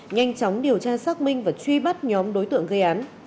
nhanh chóng điều tra xác minh và truy bắt nhóm đối tượng gây án